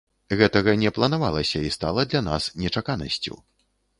Гэтага не планавалася і стала для нас нечаканасцю.